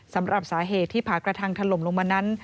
สำหรับสาเหตุที่ผากระทังถล่มลงมานั้น